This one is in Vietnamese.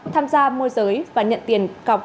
tham gia môi giới và nhận tiền cọc